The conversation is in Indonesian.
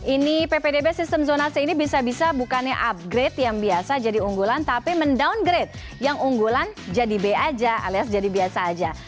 ini ppdb sistem zonasi ini bisa bisa bukannya upgrade yang biasa jadi unggulan tapi mendowngrade yang unggulan jadi b aja alias jadi biasa aja